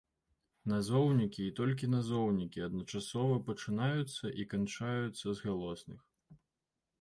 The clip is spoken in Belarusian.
Назоўнікі і толькі назоўнікі, адначасова пачынаюцца і канчаюцца з галосных.